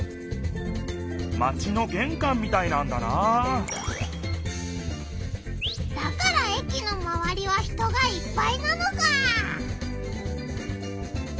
マチのげんかんみたいなんだなだから駅のまわりは人がいっぱいなのか！